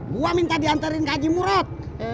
gua minta diantarin ke haji murad